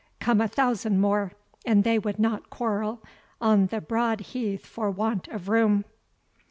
Come a thousand more, and they would not quarrel on the broad heath for want of room!"